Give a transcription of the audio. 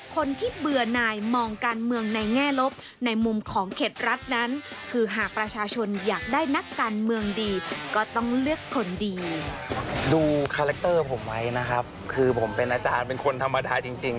คือผมเป็นอาจารย์เป็นคนธรรมดาจริง